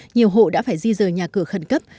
nhiều hộ đã phải di rời nhà cửa khẩn cấp